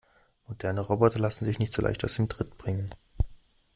Moderne Roboter lassen sich nicht so leicht aus dem Tritt bringen.